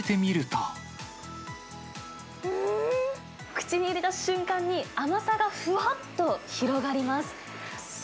うーん、口に入れた瞬間に、甘さがふわっと広がります。